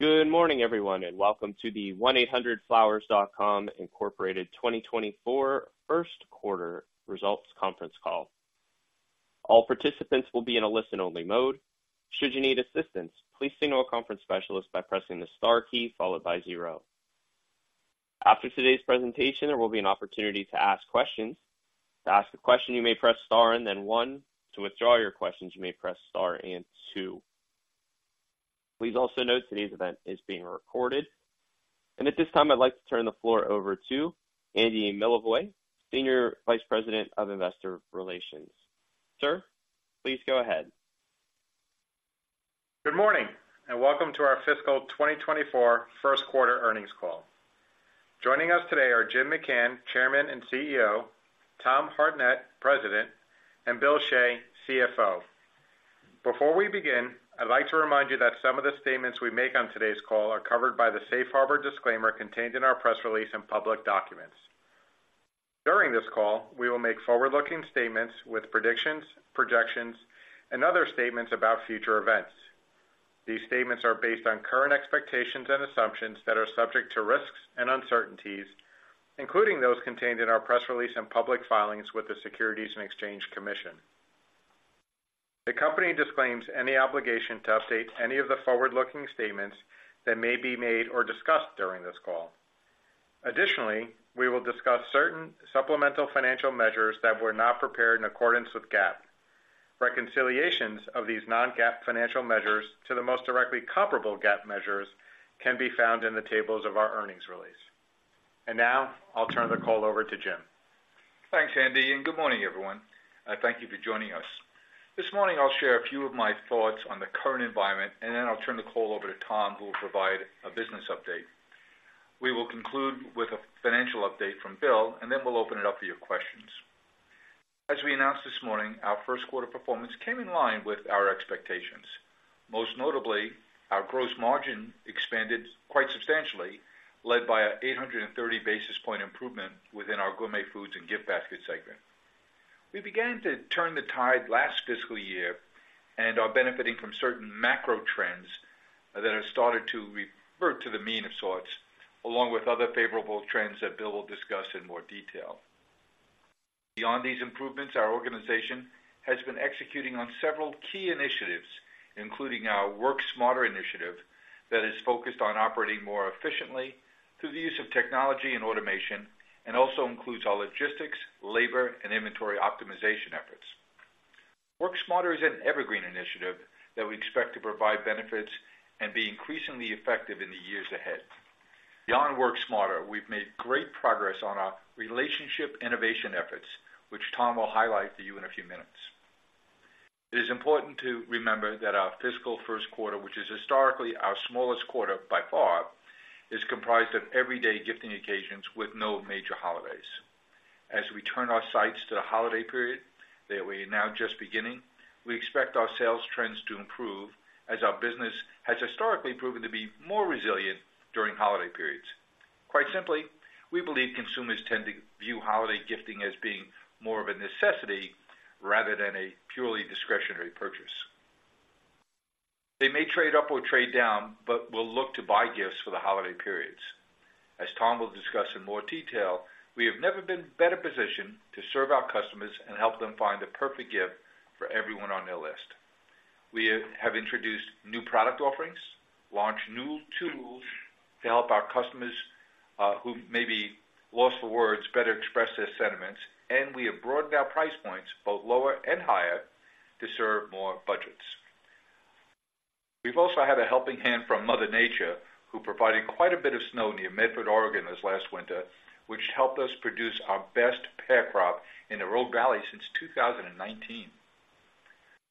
Good morning, everyone, and welcome to the 1-800-FLOWERS.COM, Inc. 2024 first quarter results conference call. All participants will be in a listen-only mode. Should you need assistance, please signal a conference specialist by pressing the star key followed by zero. After today's presentation, there will be an opportunity to ask questions. To ask a question, you may press star and then one. To withdraw your questions, you may press star and two. Please also note today's event is being recorded. At this time, I'd like to turn the floor over to Andy Milevoj, Senior Vice President of Investor Relations. Sir, please go ahead. Good morning, and welcome to our fiscal 2024 first quarter earnings call. Joining us today are Jim McCann, Chairman and CEO, Tom Hartnett, President, and Bill Shea, CFO. Before we begin, I'd like to remind you that some of the statements we make on today's call are covered by the safe harbor disclaimer contained in our press release and public documents. During this call, we will make forward-looking statements with predictions, projections, and other statements about future events. These statements are based on current expectations and assumptions that are subject to risks and uncertainties, including those contained in our press release and public filings with the Securities and Exchange Commission. The company disclaims any obligation to update any of the forward-looking statements that may be made or discussed during this call. Additionally, we will discuss certain supplemental financial measures that were not prepared in accordance with GAAP. Reconciliations of these non-GAAP financial measures to the most directly comparable GAAP measures can be found in the tables of our earnings release. Now I'll turn the call over to Jim. Thanks, Andy, and good morning, everyone. I thank you for joining us. This morning, I'll share a few of my thoughts on the current environment, and then I'll turn the call over to Tom, who will provide a business update. We will conclude with a financial update from Bill, and then we'll open it up for your questions. As we announced this morning, our first quarter performance came in line with our expectations. Most notably, our gross margin expanded quite substantially, led by an 830 basis point improvement within our Gourmet Foods & Gift Baskets segment. We began to turn the tide last fiscal year and are benefiting from certain macro trends that have started to revert to the mean of sorts, along with other favorable trends that Bill will discuss in more detail. Beyond these improvements, our organization has been executing on several key initiatives, including our Work Smarter initiative, that is focused on operating more efficiently through the use of technology and automation, and also includes our logistics, labor, and inventory optimization efforts. Work Smarter is an evergreen initiative that we expect to provide benefits and be increasingly effective in the years ahead. Beyond Work Smarter, we've made great progress on our Relationship Innovation efforts, which Tom will highlight to you in a few minutes. It is important to remember that our fiscal first quarter, which is historically our smallest quarter by far, is comprised of everyday gifting occasions with no major holidays. As we turn our sights to the holiday period that we are now just beginning, we expect our sales trends to improve as our business has historically proven to be more resilient during holiday periods. Quite simply, we believe consumers tend to view holiday gifting as being more of a necessity rather than a purely discretionary purchase. They may trade up or trade down, but will look to buy gifts for the holiday periods. As Tom will discuss in more detail, we have never been better positioned to serve our customers and help them find the perfect gift for everyone on their list. We have introduced new product offerings, launched new tools to help our customers, who may be lost for words, better express their sentiments, and we have broadened our price points, both lower and higher, to serve more budgets. We've also had a helping hand from Mother Nature, who provided quite a bit of snow near Medford, Oregon, this last winter, which helped us produce our best pear crop in the Rogue Valley since 2019.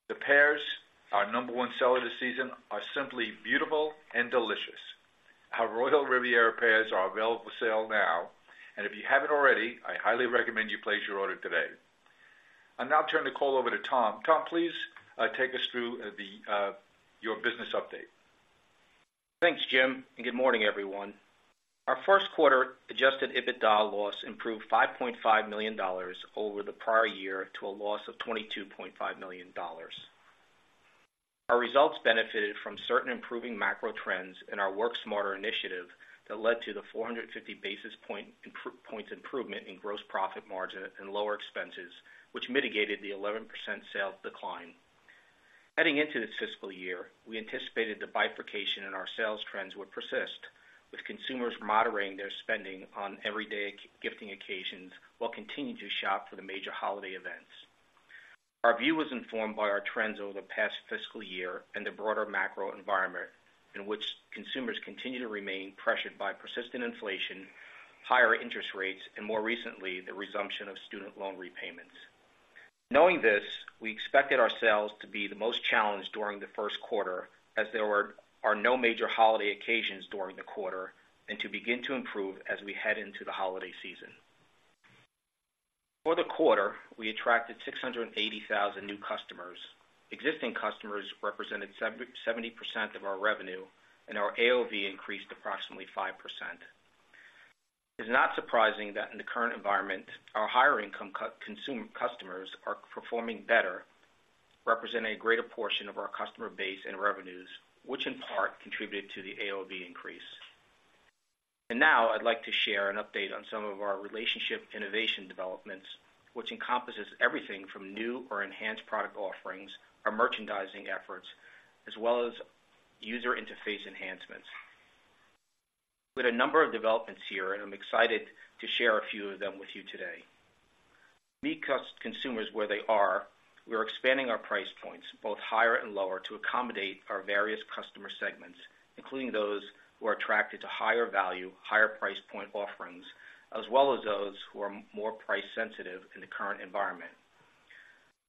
The pears, our number one seller this season, are simply beautiful and delicious. Our Royal Riviera Pears are available for sale now, and if you haven't already, I highly recommend you place your order today. I'll now turn the call over to Tom. Tom, please, take us through your business update. Thanks, Jim, and good morning, everyone. Our first quarter Adjusted EBITDA loss improved $5.5 million over the prior year to a loss of $22.5 million. Our results benefited from certain improving macro trends in our Work Smarter initiative that led to the 450 basis points improvement in gross profit margin and lower expenses, which mitigated the 11% sales decline. Heading into this fiscal year, we anticipated the bifurcation in our sales trends would persist, with consumers moderating their spending on everyday gifting occasions, while continuing to shop for the major holiday events. Our view was informed by our trends over the past fiscal year and the broader macro environment, in which consumers continue to remain pressured by persistent inflation, higher interest rates, and more recently, the resumption of student loan repayments. Knowing this, we expected our sales to be the most challenged during the first quarter, as there are no major holiday occasions during the quarter, and to begin to improve as we head into the holiday season. For the quarter, we attracted 680,000 new customers. Existing customers represented 70% of our revenue, and our AOV increased approximately 5%... It's not surprising that in the current environment, our higher income consumer customers are performing better, representing a greater portion of our customer base and revenues, which in part, contributed to the AOV increase. Now I'd like to share an update on some of our Relationship Innovation developments, which encompasses everything from new or enhanced product offerings, our merchandising efforts, as well as user interface enhancements. With a number of developments here, and I'm excited to share a few of them with you today. Meet consumers where they are; we are expanding our price points, both higher and lower, to accommodate our various customer segments, including those who are attracted to higher value, higher price point offerings, as well as those who are more price-sensitive in the current environment.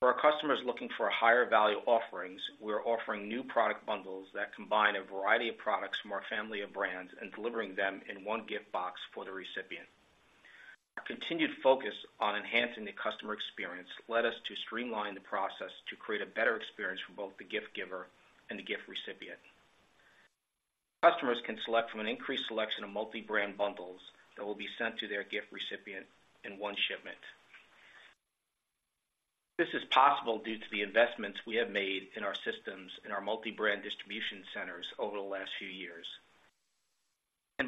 For our customers looking for higher value offerings, we are offering new product bundles that combine a variety of products from our family of brands and delivering them in one gift box for the recipient. Our continued focus on enhancing the customer experience led us to streamline the process to create a better experience for both the gift giver and the gift recipient. Customers can select from an increased selection of multi-brand bundles that will be sent to their gift recipient in one shipment. This is possible due to the investments we have made in our systems and our multi-brand distribution centers over the last few years.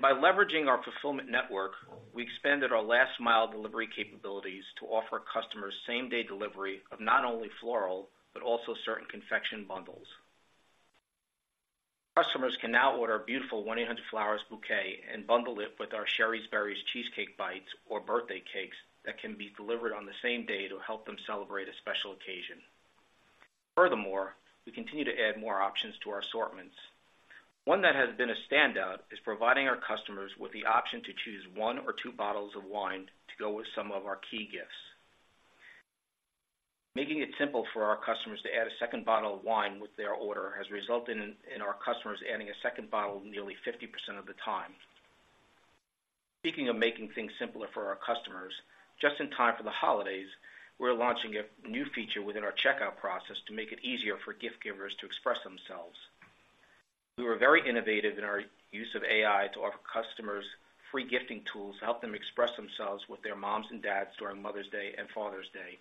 By leveraging our fulfillment network, we expanded our last mile delivery capabilities to offer customers same-day delivery of not only floral, but also certain confection bundles. Customers can now order a beautiful 1-800-Flowers bouquet and bundle it with our Shari's Berries Cheesecake Bites or birthday cakes that can be delivered on the same day to help them celebrate a special occasion. Furthermore, we continue to add more options to our assortments. One that has been a standout is providing our customers with the option to choose one or two bottles of wine to go with some of our key gifts. Making it simple for our customers to add a second bottle of wine with their order has resulted in our customers adding a second bottle nearly 50% of the time. Speaking of making things simpler for our customers, just in time for the holidays, we're launching a new feature within our checkout process to make it easier for gift givers to express themselves. We were very innovative in our use of AI to offer customers free gifting tools to help them express themselves with their moms and dads during Mother's Day and Father's Day.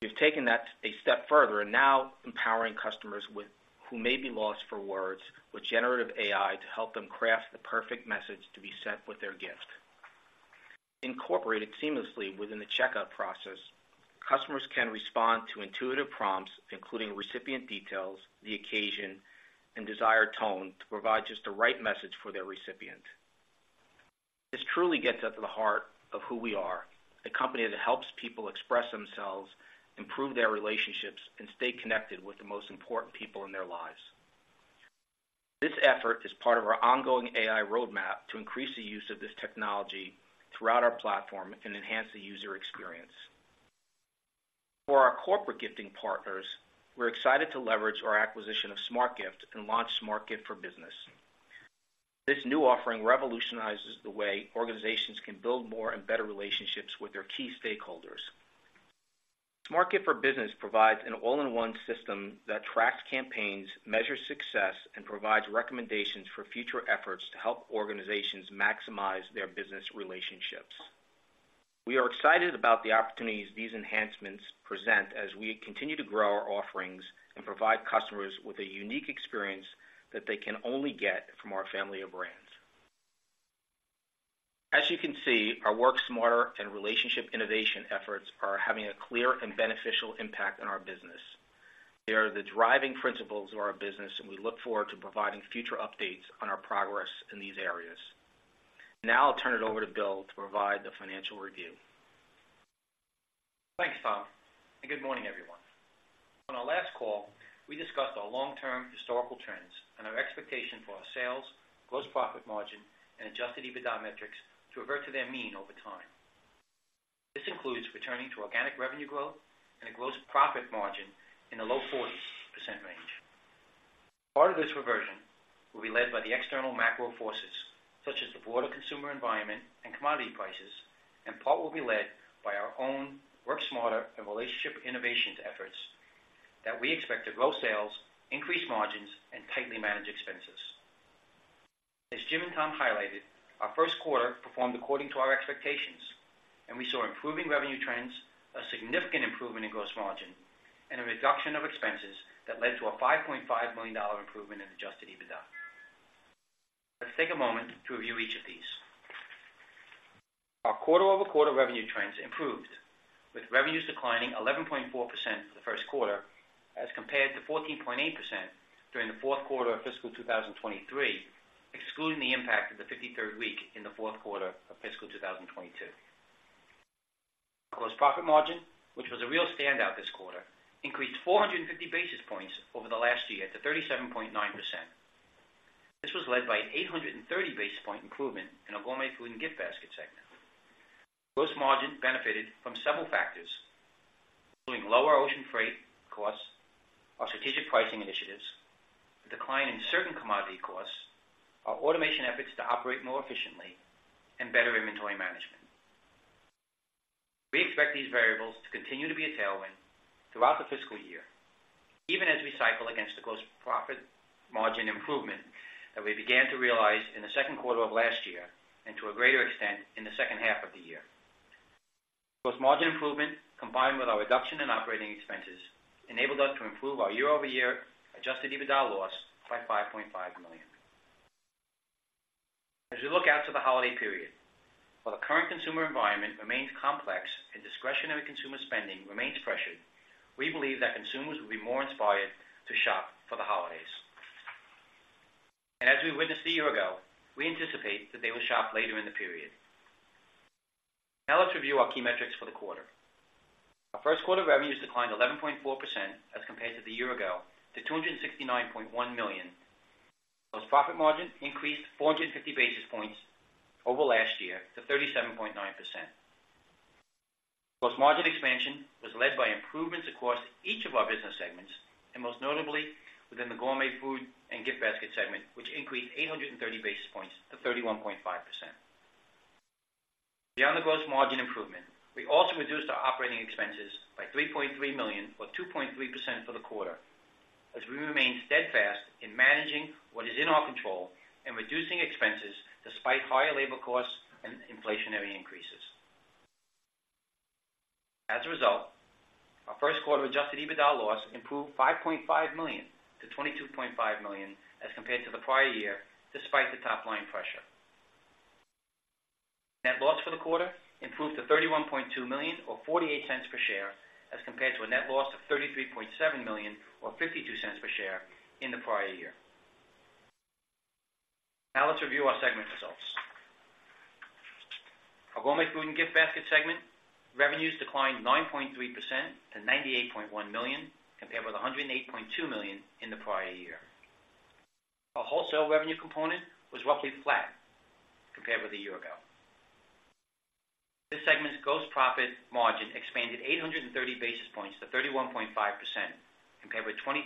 We've taken that a step further and now empowering customers with, who may be lost for words, with generative AI to help them craft the perfect message to be sent with their gift. Incorporated seamlessly within the checkout process, customers can respond to intuitive prompts, including recipient details, the occasion, and desired tone, to provide just the right message for their recipient. This truly gets us to the heart of who we are, a company that helps people express themselves, improve their relationships, and stay connected with the most important people in their lives. This effort is part of our ongoing AI roadmap to increase the use of this technology throughout our platform and enhance the user experience. For our corporate gifting partners, we're excited to leverage our acquisition of SmartGift and launch SmartGift for Business. This new offering revolutionizes the way organizations can build more and better relationships with their key stakeholders. SmartGift for Business provides an all-in-one system that tracks campaigns, measures success, and provides recommendations for future efforts to help organizations maximize their business relationships. We are excited about the opportunities these enhancements present as we continue to grow our offerings and provide customers with a unique experience that they can only get from our family of brands. As you can see, our Work Smarter and Relationship Innovation efforts are having a clear and beneficial impact on our business. They are the driving principles of our business, and we look forward to providing future updates on our progress in these areas. Now I'll turn it over to Bill to provide the financial review. Thanks, Tom, and good morning, everyone. On our last call, we discussed our long-term historical trends and our expectation for our sales, gross profit margin, and adjusted EBITDA metrics to revert to their mean over time. This includes returning to organic revenue growth and a gross profit margin in the low 40% range. Part of this reversion will be led by the external macro forces, such as the broader consumer environment and commodity prices, and part will be led by our own Work Smarter and Relationship Innovations efforts that we expect to grow sales, increase margins, and tightly manage expenses. As Jim and Tom highlighted, our first quarter performed according to our expectations, and we saw improving revenue trends, a significant improvement in gross margin, and a reduction of expenses that led to a $5.5 million improvement in adjusted EBITDA. Let's take a moment to review each of these. Our quarter-over-quarter revenue trends improved, with revenues declining 11.4% for the first quarter, as compared to 14.8% during the fourth quarter of fiscal 2023, excluding the impact of the 53rd week in the fourth quarter of fiscal 2022. Gross profit margin, which was a real standout this quarter, increased 450 basis points over the last year to 37.9%. This was led by 830 basis point improvement in our Gourmet Foods and Gift Baskets segment. Gross margin benefited from several factors, including lower ocean freight costs, our strategic pricing initiatives, the decline in certain commodity costs, our automation efforts to operate more efficiently, and better inventory-... We expect these variables to continue to be a tailwind throughout the fiscal year, even as we cycle against the gross profit margin improvement that we began to realize in the second quarter of last year, and to a greater extent, in the second half of the year. Gross margin improvement, combined with our reduction in operating expenses, enabled us to improve our year-over-year Adjusted EBITDA loss by $5.5 million. As we look out to the holiday period, while the current consumer environment remains complex and discretionary consumer spending remains pressured, we believe that consumers will be more inspired to shop for the holidays. As we witnessed a year ago, we anticipate that they will shop later in the period. Now, let's review our key metrics for the quarter. Our first quarter revenues declined 11.4% as compared to the year ago, to $269.1 million. Gross profit margin increased 450 basis points over last year to 37.9%. Gross margin expansion was led by improvements across each of our business segments, and most notably within the Gourmet Foods and Gift Baskets segment, which increased 830 basis points to 31.5%. Beyond the gross margin improvement, we also reduced our operating expenses by $3.3 million, or 2.3% for the quarter, as we remained steadfast in managing what is in our control and reducing expenses despite higher labor costs and inflationary increases. As a result, our first quarter adjusted EBITDA loss improved $5.5 million to $22.5 million as compared to the prior year, despite the top line pressure. Net loss for the quarter improved to $31.2 million or $0.48 per share, as compared to a net loss of $33.7 million or $0.52 per share in the prior year. Now, let's review our segment results. Our Gourmet Foods and Gift Baskets segment, revenues declined 9.3% to $98.1 million, compared with $108.2 million in the prior year. Our wholesale revenue component was roughly flat compared with a year ago. This segment's gross profit margin expanded 830 basis points to 31.5%, compared with 23.2%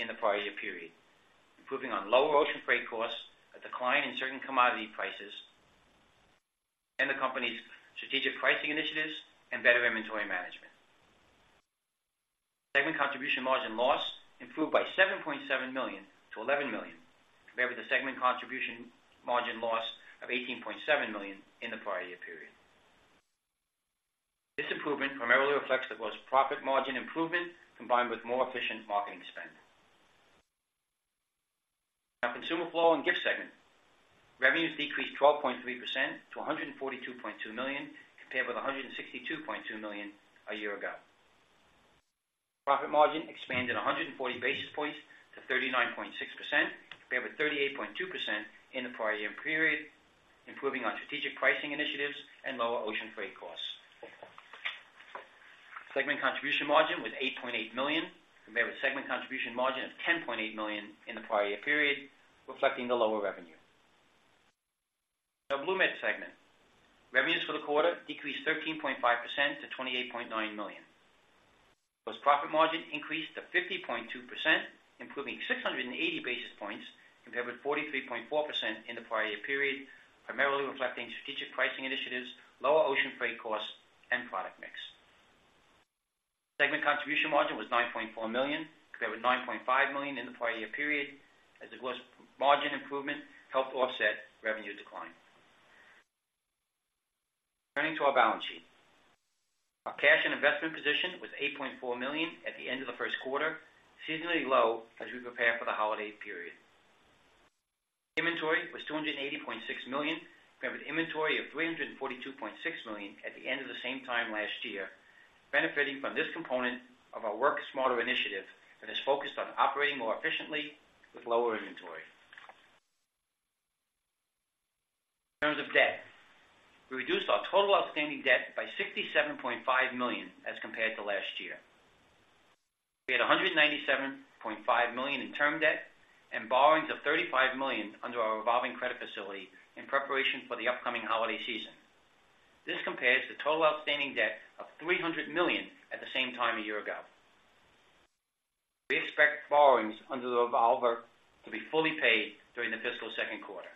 in the prior year period, improving on lower ocean freight costs, a decline in certain commodity prices, and the company's strategic pricing initiatives and better inventory management. Segment contribution margin loss improved by $7.7 million to $11 million, compared with the segment contribution margin loss of $18.7 million in the prior year period. This improvement primarily reflects the gross profit margin improvement, combined with more efficient marketing spend. Our Consumer Floral & Gifts segment revenues decreased 12.3% to $142.2 million, compared with $162.2 million a year ago. Profit margin expanded 140 basis points to 39.6%, compared with 38.2% in the prior year period, improving on strategic pricing initiatives and lower ocean freight costs. Segment contribution margin was $8.8 million, compared with segment contribution margin of $10.8 million in the prior year period, reflecting the lower revenue. Now, BloomNet segment. Revenues for the quarter decreased 13.5% to $28.9 million. Gross profit margin increased to 50.2%, improving 680 basis points, compared with 43.4% in the prior year period, primarily reflecting strategic pricing initiatives, lower ocean freight costs, and product mix. Segment contribution margin was $9.4 million, compared with $9.5 million in the prior year period, as the gross margin improvement helped offset revenue decline. Turning to our balance sheet. Our cash and investment position was $8.4 million at the end of the first quarter, seasonally low as we prepare for the holiday period. Inventory was $280.6 million, compared with inventory of $342.6 million at the end of the same time last year, benefiting from this component of our Work Smarter initiative, that is focused on operating more efficiently with lower inventory. In terms of debt, we reduced our total outstanding debt by $67.5 million as compared to last year. We had $197.5 million in term debt and borrowings of $35 million under our revolving credit facility in preparation for the upcoming holiday season. This compares to total outstanding debt of $300 million at the same time a year ago. We expect borrowings under the revolver to be fully paid during the fiscal second quarter.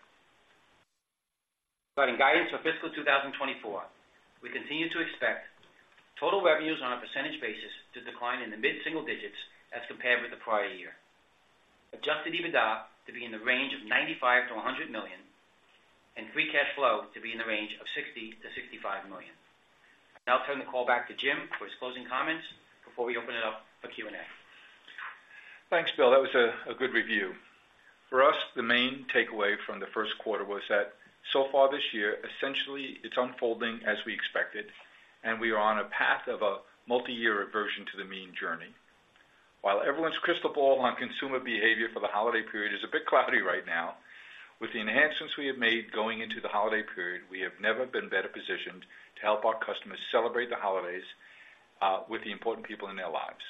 Providing guidance for fiscal 2024, we continue to expect total revenues on a percentage basis to decline in the mid-single digits as compared with the prior year. Adjusted EBITDA to be in the range of $95 million-$100 million, and Free Cash Flow to be in the range of $60 million-$65 million. I'll now turn the call back to Jim for his closing comments before we open it up for Q&A. Thanks, Bill. That was a good review. For us, the main takeaway from the first quarter was that so far this year, essentially, it's unfolding as we expected, and we are on a path of a multi-year reversion to the mean journey. While everyone's crystal ball on consumer behavior for the holiday period is a bit cloudy right now, with the enhancements we have made going into the holiday period, we have never been better positioned to help our customers celebrate the holidays with the important people in their lives.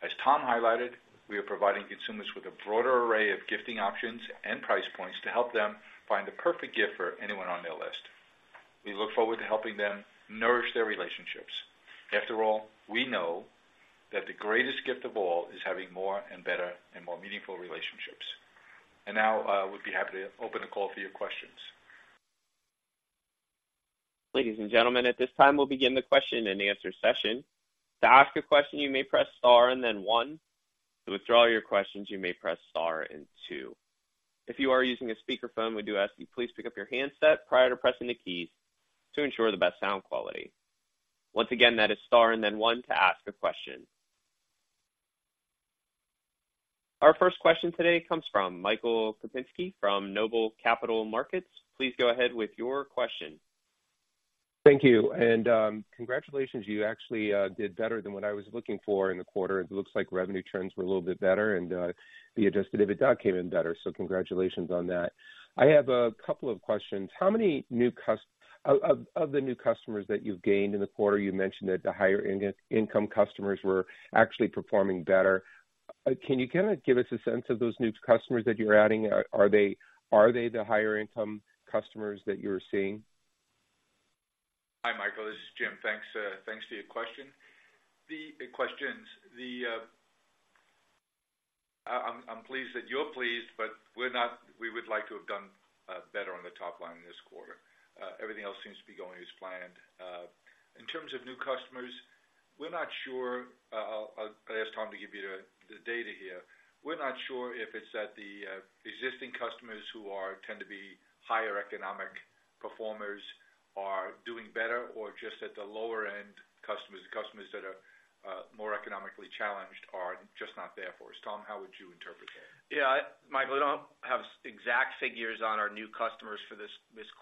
As Tom highlighted, we are providing consumers with a broader array of gifting options and price points to help them find the perfect gift for anyone on their list. We look forward to helping them nourish their relationships. After all, we know that the greatest gift of all is having more and better, and more meaningful relationships. And now, we'd be happy to open the call for your questions. Ladies and gentlemen, at this time, we'll begin the question and answer session. To ask a question, you may press star and then one. To withdraw your questions, you may press star and two. If you are using a speakerphone, we do ask you please pick up your handset prior to pressing the keys to ensure the best sound quality. Once again, that is star and then one to ask a question. Our first question today comes from Michael Kupinski from Noble Capital Markets. Please go ahead with your question. Thank you, and congratulations. You actually did better than what I was looking for in the quarter. It looks like revenue trends were a little bit better, and the Adjusted EBITDA came in better. So congratulations on that. I have a couple of questions. How many of the new customers that you've gained in the quarter, you mentioned that the higher income customers were actually performing better. Can you kind of give us a sense of those new customers that you're adding? Are they the higher income customers that you're seeing? Hi, Michael. This is Jim. Thanks, thanks for your question. The questions. I'm pleased that you're pleased, but we're not—we would like to have done better on the top line this quarter. Everything else seems to be going as planned. In terms of new customers, we're not sure. I'll ask Tom to give you the data here. We're not sure if it's that the existing customers who tend to be higher economic performers are doing better or just at the lower end customers, customers that are more economically challenged are just not there for us. Tom, how would you interpret that? Yeah, Michael, I don't have exact figures on our new customers for this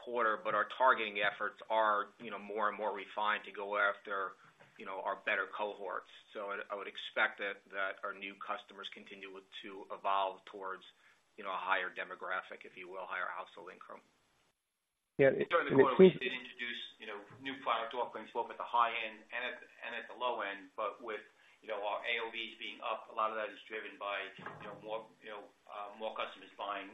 quarter, but our targeting efforts are, you know, more and more refined to go after, you know, our better cohorts. So I would expect that our new customers continue to evolve towards, you know, a higher demographic, if you will, higher household income. Yeah, the question- During the quarter, we did introduce, you know, new product offerings both at the high end and at the low end, but with, you know, our AOVs being up, a lot of that is driven by, you know, more, you know, more customers buying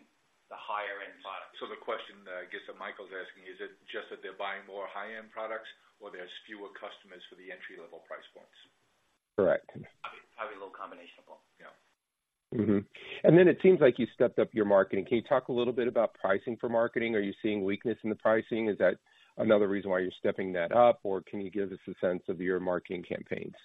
the higher end products. The question, I guess, that Michael's asking: Is it just that they're buying more high-end products or there's fewer customers for the entry-level price points? Correct. Probably, probably a little combination of both. Yeah. Mm-hmm. And then it seems like you stepped up your marketing. Can you talk a little bit about pricing for marketing? Are you seeing weakness in the pricing? Is that another reason why you're stepping that up, or can you give us a sense of your marketing campaigns?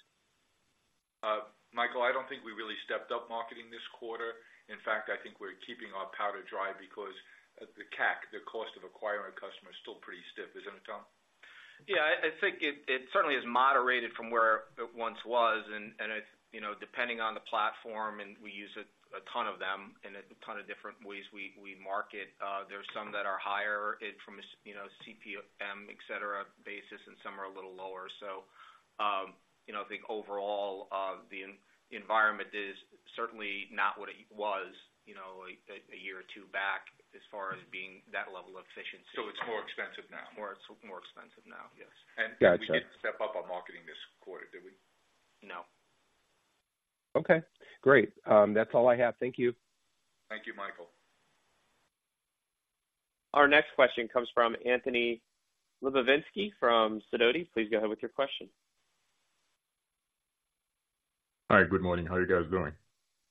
Michael, I don't think we really stepped up marketing this quarter. In fact, I think we're keeping our powder dry because the CAC, the cost of acquiring a customer, is still pretty stiff. Isn't it, Tom? Yeah, I think it certainly has moderated from where it once was, and it, you know, depending on the platform, and we use a ton of them, and a ton of different ways we market, there are some that are higher from a, you know, CPM, et cetera, basis, and some are a little lower. So, you know, I think overall, the environment is certainly not what it was, you know, a year or two back as far as being that level of efficiency. So it's more expensive now? It's more, it's more expensive now, yes. Gotcha. We didn't step up our marketing this quarter, did we? No. Okay, great. That's all I have. Thank you. Thank you, Michael. Our next question comes from Anthony Lebiedzinski. Please go ahead with your question. Hi, good morning. How are you guys doing?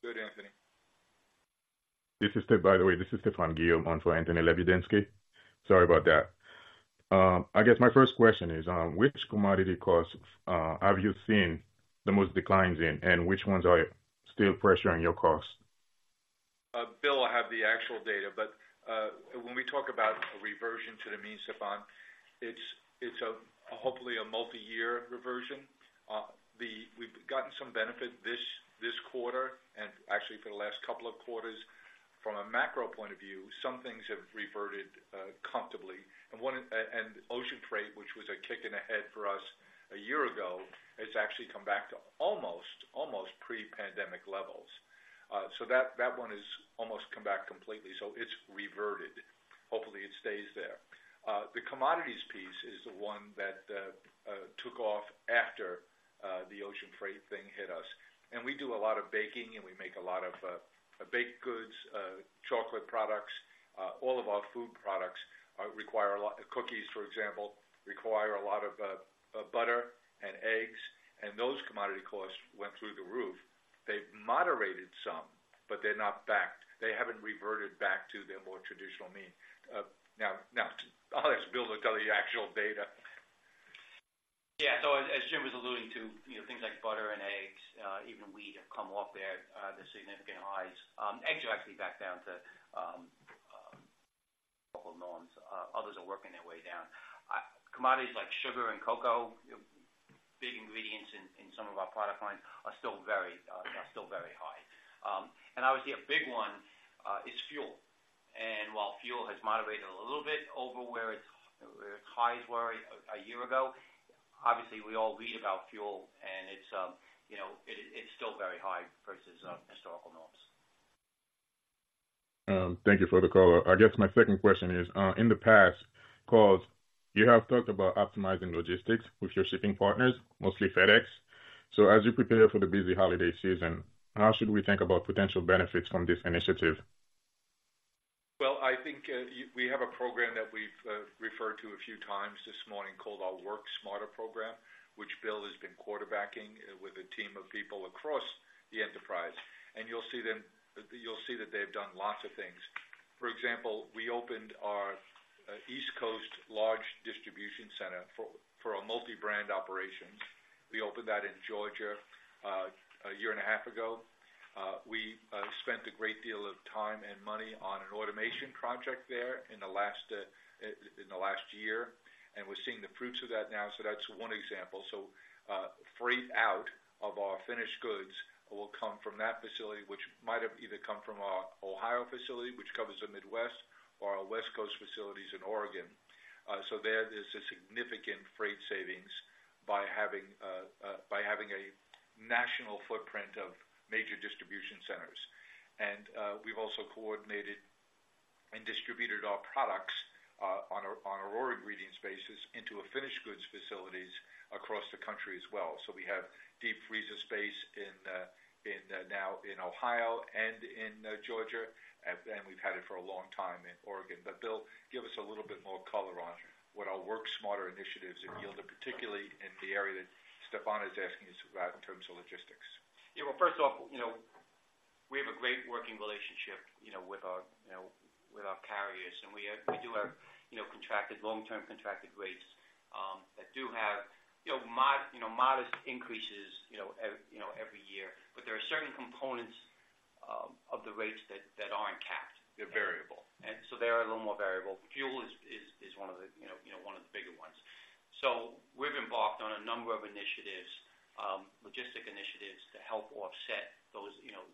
Good, Anthony. This is—by the way, this is Stefan Guillaume for Anthony Lebiedzinski. Sorry about that. I guess my first question is, which commodity costs have you seen the most declines in, and which ones are still pressuring your costs? Bill will have the actual data, but when we talk about a reversion to the means, Stefan, it's a, hopefully, a multiyear reversion. We've gotten some benefit this quarter and actually for the last couple of quarters. From a macro point of view, some things have reverted comfortably, and one of ocean freight, which was a kick in the head for us a year ago, has actually come back to almost pre-pandemic levels. So that one is almost come back completely. So it's reverted. Hopefully, it stays there. The commodities piece is the one that took off after the ocean freight thing hit us. And we do a lot of baking, and we make a lot of baked goods, chocolate products. All of our food products require a lot... Cookies, for example, require a lot of butter and eggs, and those commodity costs went through the roof. They've moderated some, but they're not back. They haven't reverted back to their more traditional mean. I'll let Bill tell you the actual data. Yeah, so as Jim was alluding to, you know, things like butter and eggs, even wheat, have come off their significant highs. Eggs are actually back down to normal norms. Others are working their way down. Commodities like sugar and cocoa, big ingredients in some of our product lines, are still very high. And obviously a big one is fuel. And while fuel has moderated a little bit over where its highs were a year ago, obviously we all read about fuel and it's, you know, it's still very high versus historical norms. Thank you for the call. I guess my second question is, in the past, calls, you have talked about optimizing logistics with your shipping partners, mostly FedEx. So as you prepare for the busy holiday season, how should we think about potential benefits from this initiative? ... Well, I think, we have a program that we've referred to a few times this morning, called our Work Smarter program, which Bill has been quarterbacking with a team of people across the enterprise. And you'll see that they've done lots of things. For example, we opened our East Coast large distribution center for a multi-brand operation. We opened that in Georgia a year and a half ago. We spent a great deal of time and money on an automation project there in the last year, and we're seeing the fruits of that now. So that's one example. So, freight out of our finished goods will come from that facility, which might have either come from our Ohio facility, which covers the Midwest, or our West Coast facilities in Oregon. So there is a significant freight savings by having a national footprint of major distribution centers. And we've also coordinated and distributed our products on a raw ingredients basis into finished goods facilities across the country as well. So we have deep freezer space in now in Ohio and in Georgia, and we've had it for a long time in Oregon. But Bill, give us a little bit more color on what our Work Smarter initiatives have yielded, particularly in the area that Stefan is asking us about in terms of logistics. Yeah, well, first off, you know, we have a great working relationship, you know, with our, you know, with our carriers, and we have, we do have, you know, contracted, long-term contracted rates, that do have, you know, modest increases, you know, every year. But there are certain components, of the rates that, that aren't capped, they're variable. And so they are a little more variable. Fuel is one of the, you know, one of the bigger ones. So we've embarked on a number of initiatives, logistic initiatives to help offset those,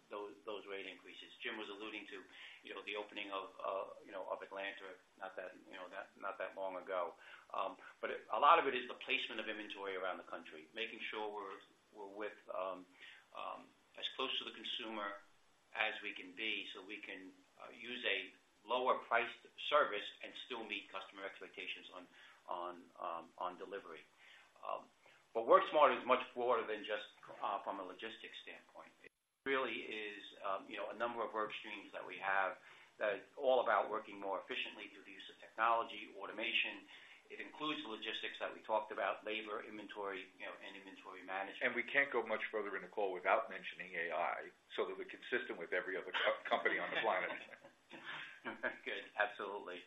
those rate increases. Jim was alluding to, you know, the opening of Atlanta, not that long ago. But a lot of it is the placement of inventory around the country, making sure we're as close to the consumer as we can be, so we can use a lower priced service and still meet customer expectations on delivery. But Work Smarter is much broader than just from a logistics standpoint. It really is, you know, a number of work streams that we have that is all about working more efficiently through the use of technology, automation. It includes logistics that we talked about, labor, inventory, you know, and inventory management. We can't go much further in the call without mentioning AI, so that we're consistent with every other company on the planet. Good. Absolutely.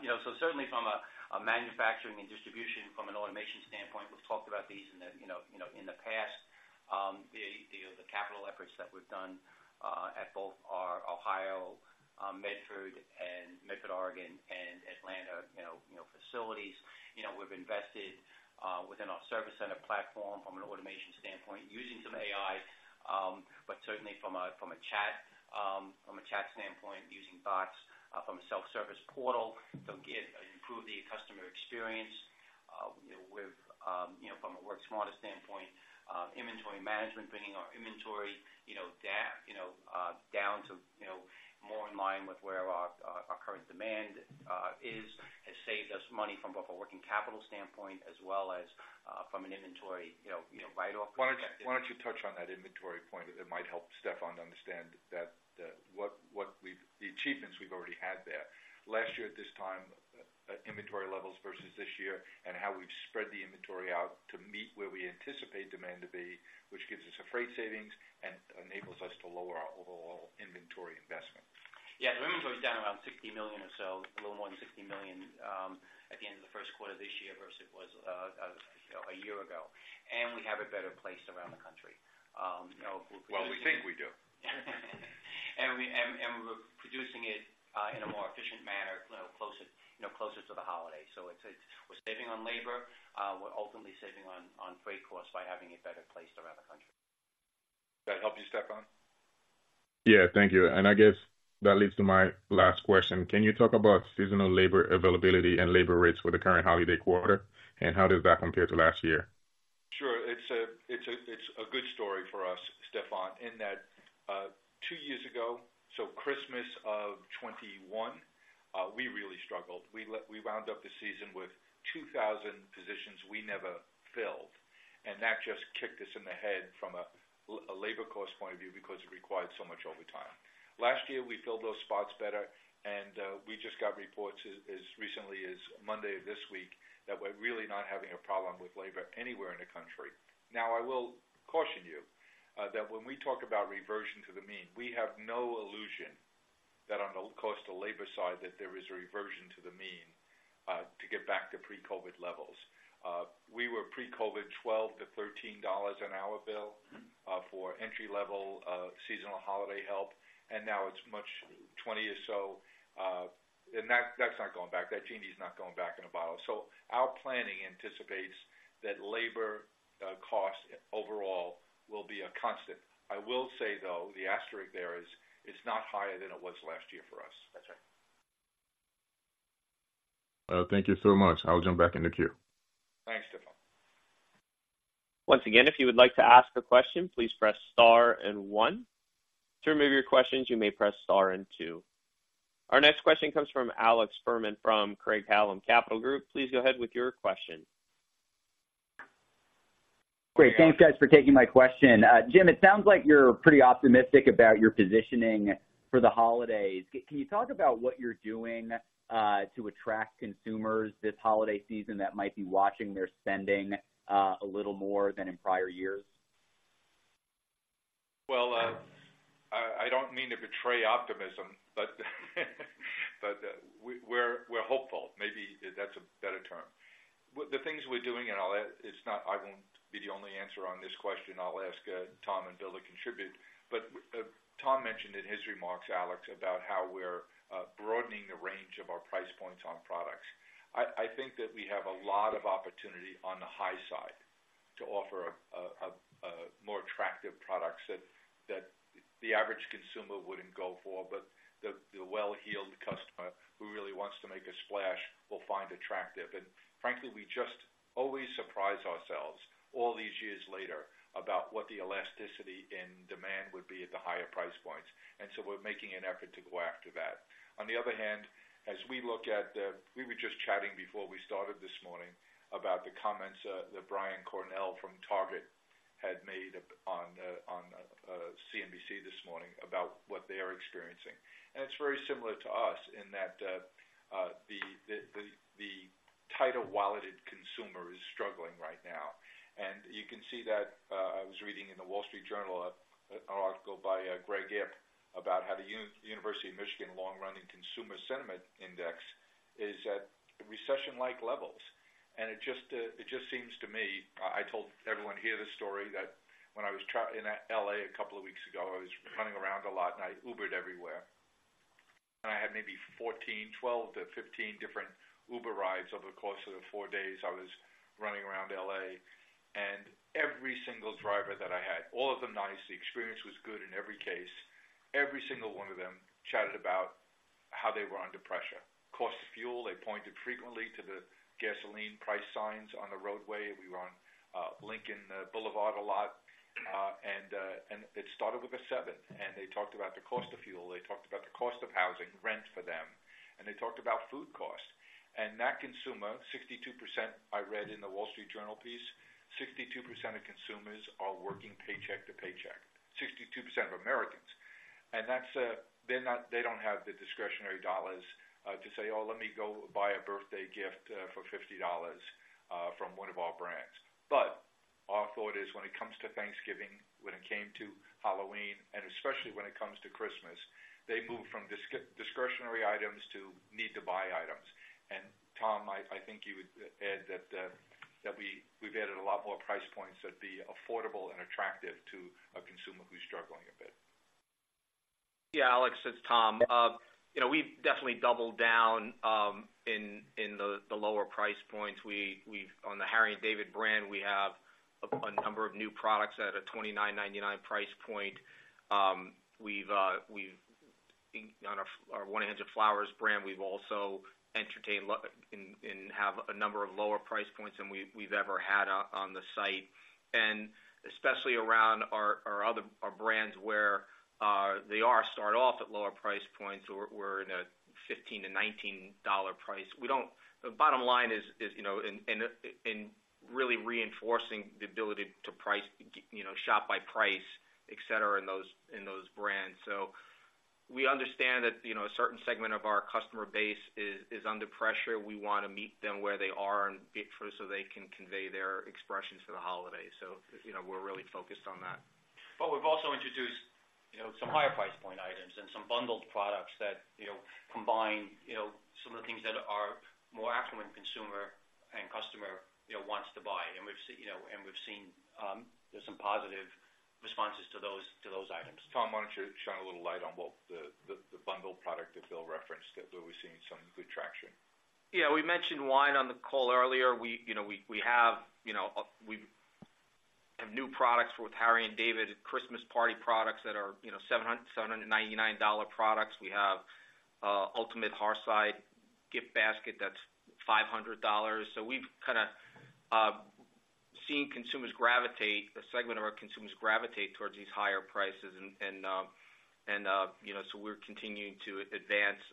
You know, so certainly from a manufacturing and distribution, from an automation standpoint, we've talked about these in the past. The capital efforts that we've done at both our Ohio, Medford, Oregon, and Atlanta facilities. You know, we've invested within our service center platform from an automation standpoint, using some AI, but certainly from a chat standpoint, using bots, from a self-service portal to improve the customer experience, with, you know, from a Work Smarter standpoint, inventory management, bringing our inventory, you know, down, you know, down to, you know, more in line with where our current demand is, has saved us money from both a working capital standpoint as well as from an inventory, you know, you know, write-off perspective. Why don't you touch on that inventory point? That might help Stefan understand the achievements we've already had there. Last year at this time, inventory levels versus this year, and how we've spread the inventory out to meet where we anticipate demand to be, which gives us a freight savings and enables us to lower our overall inventory investments. Yeah, the inventory is down around $60 million or so, a little more than $60 million, at the end of the first quarter of this year versus it was a year ago. And we have it better placed around the country. You know, we're- Well, we think we do. We're producing it in a more efficient manner, closer, you know, closer to the holiday. So we're saving on labor, we're ultimately saving on freight costs by having it better placed around the country. Does that help you, Stefan? Yeah, thank you. I guess that leads to my last question: Can you talk about seasonal labor availability and labor rates for the current holiday quarter, and how does that compare to last year? Sure. It's a good story for us, Stefane, in that, two years ago, so Christmas of 2021, we really struggled. We round up the season with 2,000 positions we never filled, and that just kicked us in the head from a labor cost point of view because it required so much overtime. Last year, we filled those spots better, and we just got reports as recently as Monday of this week, that we're really not having a problem with labor anywhere in the country. Now, I will caution you, that when we talk about reversion to the mean, we have no illusion that on the cost of labor side, that there is a reversion to the mean, to get back to pre-COVID levels. We were pre-COVID, $12-$13 an hour, Bill, for entry-level, seasonal holiday help, and now it's much 20 or so. And that's not going back. That genie is not going back in a bottle. So our planning anticipates that labor costs overall will be a constant. I will say, though, the asterisk there is, it's not higher than it was last year for us. That's right. Thank you so much. I'll jump back in the queue. Thanks, Stefane. Once again, if you would like to ask a question, please press star and one. To remove your questions, you may press star and two. Our next question comes from Alex Fuhrman, from Craig-Hallum Capital Group. Please go ahead with your question. ... Great. Thanks, guys, for taking my question. Jim, it sounds like you're pretty optimistic about your positioning for the holidays. Can you talk about what you're doing to attract consumers this holiday season that might be watching their spending a little more than in prior years? Well, I don't mean to betray optimism, but we're hopeful. Maybe that's a better term. The things we're doing, and I'll let—it's not—I won't be the only answer on this question. I'll ask Tom and Bill to contribute. But Tom mentioned in his remarks, Alex, about how we're broadening the range of our price points on products. I think that we have a lot of opportunity on the high side to offer a more attractive products that the average consumer wouldn't go for, but the well-heeled customer who really wants to make a splash will find attractive. And frankly, we just always surprise ourselves all these years later, about what the elasticity and demand would be at the higher price points, and so we're making an effort to go after that. On the other hand, as we look at. We were just chatting before we started this morning about the comments that Brian Cornell from Target had made on CNBC this morning about what they are experiencing. And it's very similar to us in that the tighter-walleted consumer is struggling right now. And you can see that, I was reading in The Wall Street Journal an article by Greg Ip, about how the University of Michigan long-running Consumer Sentiment Index is at recession-like levels. And it just seems to me, I told everyone here the story that when I was in L.A. a couple of weeks ago, I was running around a lot, and I Ubered everywhere. And I had maybe 14, 12-15 different Uber rides over the course of the four days I was running around LA. And every single driver that I had, all of them nice, the experience was good in every case, every single one of them chatted about how they were under pressure. Cost of fuel, they pointed frequently to the gasoline price signs on the roadway. We were on Lincoln Boulevard a lot, and it started with a seven. And they talked about the cost of fuel, they talked about the cost of housing, rent for them, and they talked about food costs. And that consumer, 62%, I read in The Wall Street Journal piece, 62% of consumers are working paycheck to paycheck. 62% of Americans. And that's, they're not, they don't have the discretionary dollars to say: "Oh, let me go buy a birthday gift for $50," from one of our brands. But our thought is when it comes to Thanksgiving, when it came to Halloween, and especially when it comes to Christmas, they move from discretionary items to need-to-buy items. And Tom, I think you would add that we, we've added a lot more price points that'd be affordable and attractive to a consumer who's struggling a bit. Yeah, Alex, it's Tom. You know, we've definitely doubled down in the lower price points. We've on the Harry & David brand, we have a number of new products at a $29.99 price point. We've on our 1-800-Flowers brand, we've also entertained low- and have a number of lower price points than we've ever had out on the site. And especially around our other brands where they start off at lower price points or in a $15-$19 price. We don't. The bottom line is, you know, in really reinforcing the ability to price, you know, shop by price, et cetera, in those brands. So we understand that, you know, a certain segment of our customer base is under pressure. We want to meet them where they are and get through so they can convey their expressions for the holidays. So, you know, we're really focused on that. But we've also introduced, you know, some higher price point items and some bundled products that, you know, combine, you know, some of the things that our more affluent consumer and customer, you know, wants to buy. And we've you know, and we've seen, there's some positive responses to those, to those items. Tom, why don't you shine a little light on what the bundle product that Bill referenced, that we've seen some good traction? Yeah, we mentioned wine on the call earlier. We, you know, we have, you know, we have new products with Harry & David, Christmas party products that are, you know, $799 products. We have a Ultimate Hearthside Gift Basket that's $500. So we've kind of seen consumers gravitate, a segment of our consumers gravitate towards these higher prices. And, you know, so we're continuing to advance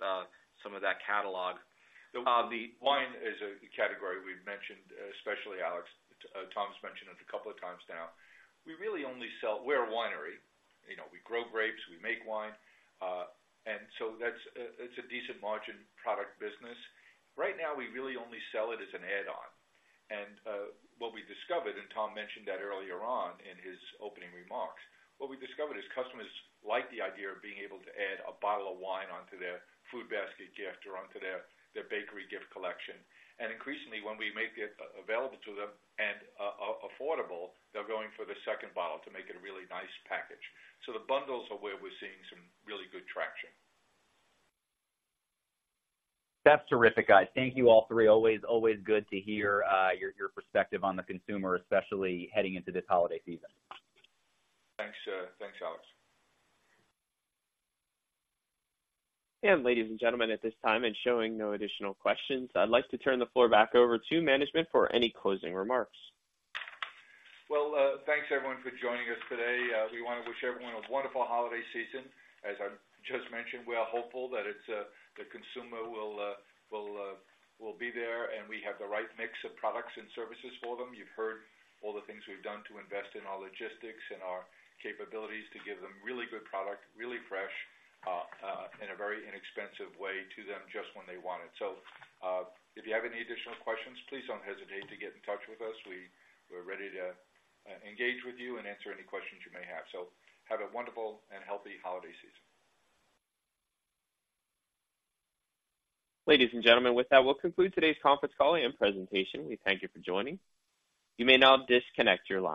some of that catalog. The wine is a category we've mentioned, especially Alex. Tom's mentioned it a couple of times now. We really only sell—We're a winery. You know, we grow grapes, we make wine, and so that's, it's a decent margin product business. Right now, we really only sell it as an add-on. And what we discovered, and Tom mentioned that earlier on in his opening remarks, what we discovered is customers like the idea of being able to add a bottle of wine onto their food basket gift or onto their bakery gift collection. And increasingly, when we make it available to them and affordable, they're going for the second bottle to make it a really nice package. So the bundles are where we're seeing some really good traction. That's terrific, guys. Thank you, all three. Always, always good to hear your perspective on the consumer, especially heading into this holiday season. Thanks, thanks, Alex. Ladies and gentlemen, at this time and showing no additional questions, I'd like to turn the floor back over to management for any closing remarks. Well, thanks, everyone, for joining us today. We want to wish everyone a wonderful holiday season. As I just mentioned, we are hopeful that it's the consumer will be there, and we have the right mix of products and services for them. You've heard all the things we've done to invest in our logistics and our capabilities to give them really good product, really fresh, in a very inexpensive way to them just when they want it. So, if you have any additional questions, please don't hesitate to get in touch with us. We're ready to engage with you and answer any questions you may have. So have a wonderful and healthy holiday season. Ladies and gentlemen, with that, we'll conclude today's conference call and presentation. We thank you for joining. You may now disconnect your line.